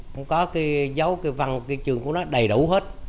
cũng có cái dấu cái văn cái trường của nó đầy đủ hết